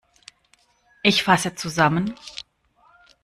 Ich fasse zusammen.